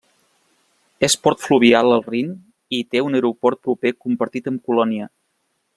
És port fluvial al Rin i té un aeroport proper compartit amb Colònia.